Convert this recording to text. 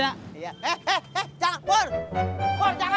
siap ofis menunggu